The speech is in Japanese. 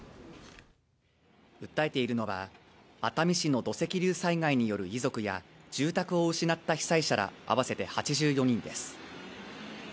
訴えているのは熱海市の土石流災害による遺族や住宅を失った被災者ら合わせて８４人です